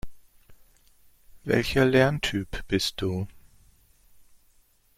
Welcher Lerntyp bist du?